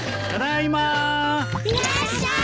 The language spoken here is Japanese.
いらっしゃい！